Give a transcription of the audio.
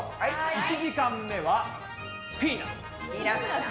１時間目は「ピーナツ」。